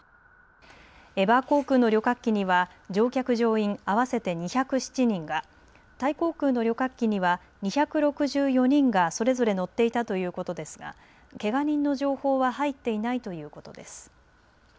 エバー航空の旅客機には乗客乗員合わせて２０７人が、タイ航空の旅客機には２６４人がそれぞれ乗っていたということですが、けが人の情報は入っていないということです。